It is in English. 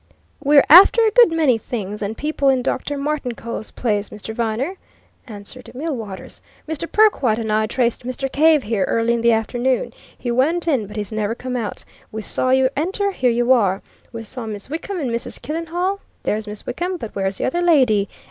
"We're after a good many things and people in Dr. Martincole's place, Mr. Viner," answered Millwaters. "Mr. Perkwite and I traced Mr. Cave here early in the afternoon; he went in, but he's never come out; we saw you enter here you are. We saw Miss Wickham and Mrs. Killenhall there's Miss Wickham, but where's the other lady?